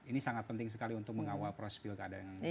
ini sangat penting sekali untuk mengawal proses pilkada yang